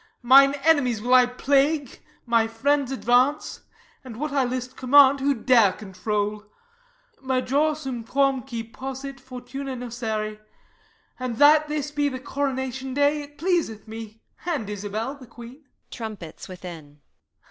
Mine enemies will I plague, my friends advance; And what I list command who dare control? Major sum quàm cui possit fortuna nocere: And that this be the coronation day, It pleaseth me and Isabel the queen. [_Trumpets within.